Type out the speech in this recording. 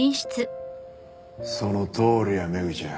そのとおりやメグちゃん。